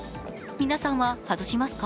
皆さんは外しますか？